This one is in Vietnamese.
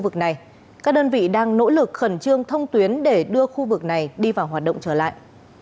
các đơn vị đang nỗ lực khẩn trương thông tuyến để đưa khu vực này đi vào hoạt động trở lại